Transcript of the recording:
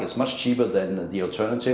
lebih murah daripada alternatif